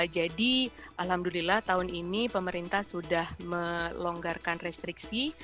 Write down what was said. jadi alhamdulillah tahun ini pemerintah sudah melonggarkan restriksi